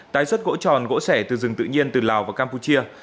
tái xuất gỗ tròn gỗ sẻ từ rừng tự nhiên từ lào và campuchia